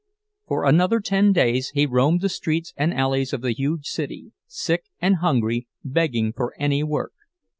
For another ten days he roamed the streets and alleys of the huge city, sick and hungry, begging for any work.